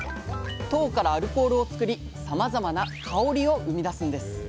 糖からアルコールをつくりさまざまな香りを生み出すんです命。